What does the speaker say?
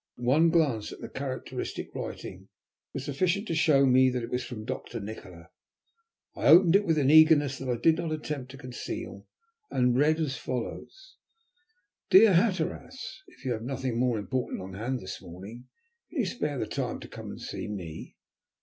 One glance at the characteristic writing was sufficient to show me that it was from Doctor Nikola. I opened it with an eagerness that I did not attempt to conceal, and read as follows "DEAR HATTERAS, "If you have nothing more important on hand this morning, can you spare the time to come and see me?